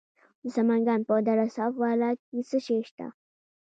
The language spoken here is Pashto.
د سمنګان په دره صوف بالا کې څه شی شته؟